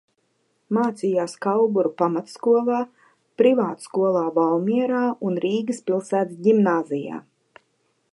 Mācījās Kauguru pamatskolā, privātskolā Valmierā un Rīgas pilsētas ģimnāzijā.